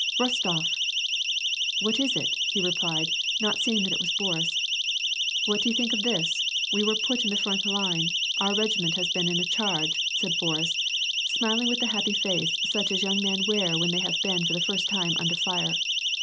'*::Bostof!" I I What'is it ?" he replied, not seeing that it was ^J[ ^„t ,« What do you think of this ? We were put in the i^ i Mni^ Our regiment has been in a charge," said Boris, iiig with the happy smile such as young men wear have been for the first time under fire.